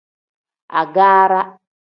Agaara.